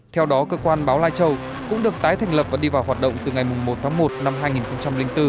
theo đó cơ quan báo lai châu cũng được tái thành lập và đi vào hoạt động từ ngày một tháng một năm hai nghìn bốn